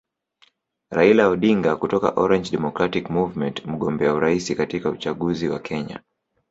Raila Odinga kutoka Orange Democratic Movement mgombea urais katika uchaguzi wa Kenya